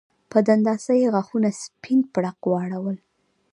په دنداسه یې غاښونه سپین پړق واړول